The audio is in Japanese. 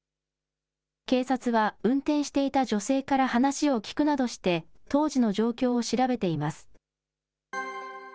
警察は運転していた女性から話を聴くなどして当時の状況を調べています。